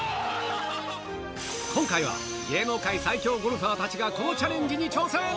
今回は芸能界最強ゴルファーたちがこのチャレンジに挑戦。